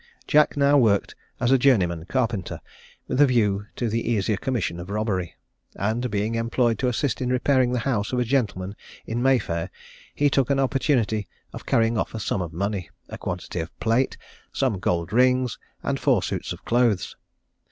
Jack now worked as a journeyman carpenter, with a view to the easier commission of robbery; and being employed to assist in repairing the house of a gentleman in May Fair, he took an opportunity of carrying off a sum of money, a quantity of plate, some gold rings, and four suits of clothes.